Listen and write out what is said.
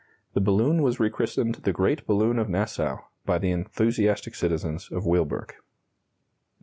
The balloon was rechristened "The Great Balloon of Nassau" by the enthusiastic citizens of Weilburg.